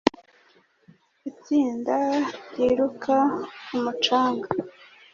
Itsinda ryiruka ku mucanga.